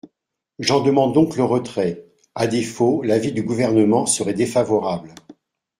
J’en demande donc le retrait ; à défaut, l’avis du Gouvernement serait défavorable.